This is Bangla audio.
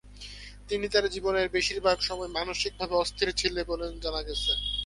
তিনি তার জীবনের বেশিরভাগ সময় মানসিকভাবে অস্থির ছিলেন বলে জানা গেছে।